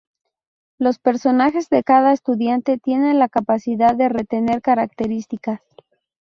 Los personajes de cada estudiante tienen la capacidad de retener características.